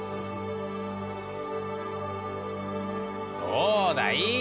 どうだい？